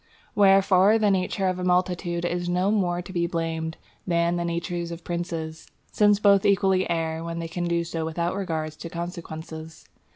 Wherefore the nature of a multitude is no more to be blamed than the nature of princes, since both equally err when they can do so without regard to consequences.